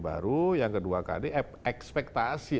baru yang kedua kali ekspektasi